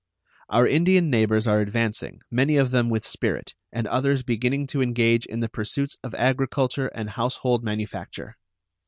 Our Indian neighbors are advancing, many of them with spirit, and others beginning to engage in the pursuits of agriculture and household manufacture.